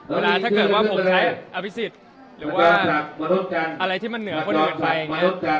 ถ้าเกิดว่าผมใช้อภิษฎหรือว่าอะไรที่มันเหนือคนอื่นไปอย่างนี้